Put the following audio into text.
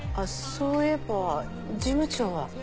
そういえば事務長は？